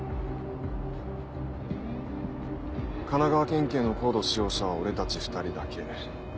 神奈川県警のＣＯＤＥ使用者は俺たち２人だけ。